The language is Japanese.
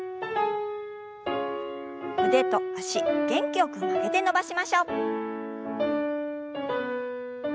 腕と脚元気よく曲げて伸ばしましょう。